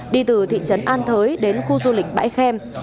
đi từ thị trấn an thới đến khu du lịch bãi khem